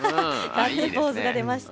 ガッツポーズが出ました。